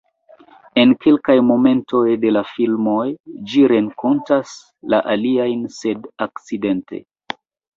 En kelkaj momentoj de la filmoj ĝi renkontas la aliajn sed "akcidente".